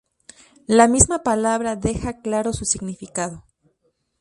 La misma palabra deja claro su significado.